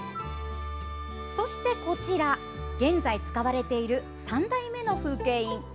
そしてこちら現在使われている３代目の風景印。